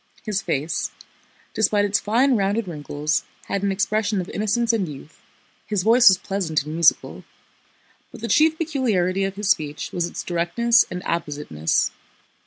His face, despite its fine, rounded wrinkles, had an expression of innocence and youth, his voice was pleasant and musical. But the chief peculiarity of his speech was its directness and appositeness.